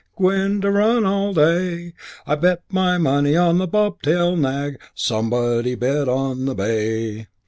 Gwine to run all day. I bet my money on the bob tail nag, Somebody bet on the bay!